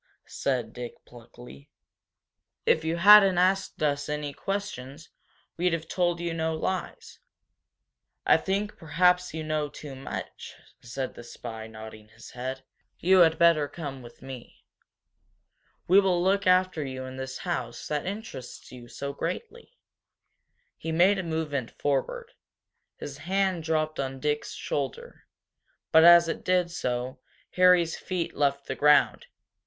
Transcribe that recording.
said Dick, pluckily. "If you hadn't asked us any questions, we'd have told you no lies." "I think perhaps you know too much," said the spy, nodding his head, "You had better come with me. We will look after you in this house that interests you so greatly." He made a movement forward. His hand dropped on Dick's shoulder. But as it did so Harry's feet left the ground.